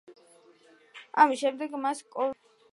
ამის შემდეგ მას კორვუსი შეარქვეს.